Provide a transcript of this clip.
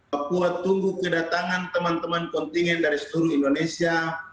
papua tunggu kedatangan teman teman kontingen dari seluruh indonesia